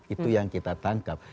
itu yang kita tangkap